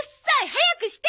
早くして！